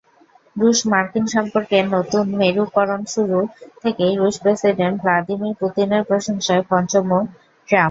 রুশ-মার্কিন সম্পর্কের নতুন মেরুকরণশুরু থেকেই রুশ প্রেসিডেন্ট ভ্লাদিমির পুতিনের প্রশংসায় পঞ্চমুখ ট্রাম্প।